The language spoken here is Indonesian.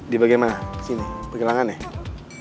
di bagian mana sini pergelangan ya